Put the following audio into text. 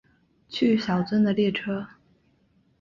去小樽的列车